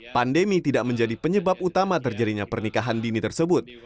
pandemi tidak menjadi penyebab utama terjadinya pernikahan dini tersebut